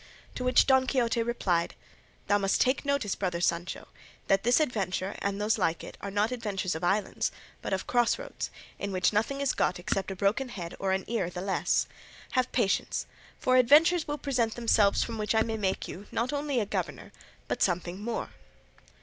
To which Don Quixote replied, "Thou must take notice, brother Sancho, that this adventure and those like it are not adventures of islands, but of cross roads, in which nothing is got except a broken head or an ear the less: have patience, for adventures will present themselves from which I may make you, not only a governor, but something more."